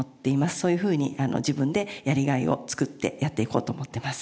そういうふうに自分でやりがいを作ってやっていこうと思ってます。